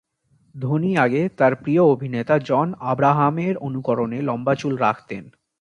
ধোনি আগে তার প্রিয় অভিনেতা জন আব্রাহামের অনুকরণে লম্বা চুল রাখতেন।